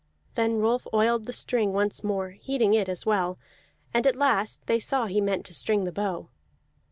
Then Rolf oiled the string once more, heating it as well; and at last they saw he meant to string the bow.